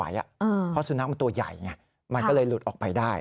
เพราะสุนัขมันตัวใหญ่ไงมันก็เลยหลุดออกไปได้